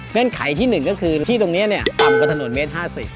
เงินไขที่๑คือที่ตรงนี้เนี่ยต่ำก็ถนนเมล็ด๕๐